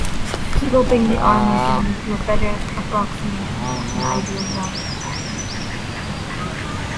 Sloping the armour can lead to a better approximation of an ideal rounded form.